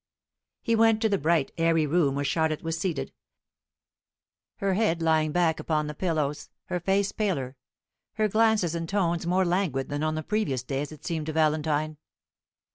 He went to the bright, airy room where Charlotte was seated, her head lying back upon the pillows, her face paler, her glances and tones more languid than on the previous day as it seemed to Valentine.